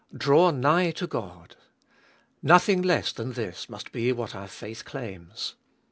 Draw nigh to God ! Nothing less than this must be what our faith claims.